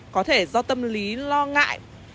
có thể do tâm lý lo ngại